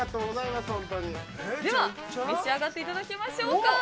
では召し上がっていただきましょうか。